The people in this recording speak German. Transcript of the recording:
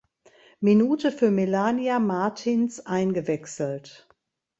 Minute für Melania Martins eingewechselt.